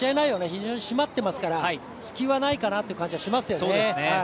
非常に締まってますから隙はないかなという感じはしますよね。